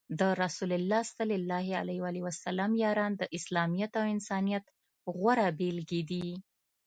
د رسول الله ص یاران د اسلامیت او انسانیت غوره بیلګې دي.